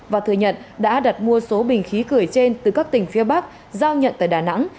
và thừa nhận đã đặt mua số bình khí cười trên từ các tỉnh phía bắc giao nhận tại đà nẵng